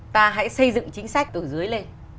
ta hãy xây dựng chính sách từ dưới lên